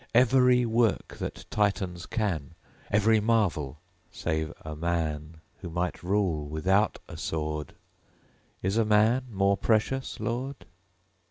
Every work that Titans can; Every marvel: save a man, Who might rule without a sword. Is a man more precious, Lord?